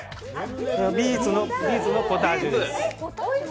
ビーツのポタージュです。